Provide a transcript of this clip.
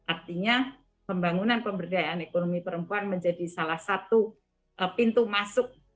artinya pembangunan pemberdayaan ekonomi perempuan menjadi salah satu pintu masuk